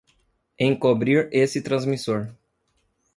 Encobrir esse transmissor!